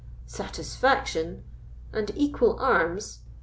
"Satisfaction! and equal arms!"